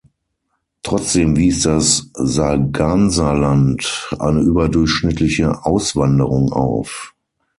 Trotzdem wies das Sarganserland eine überdurchschnittliche Auswanderung auf.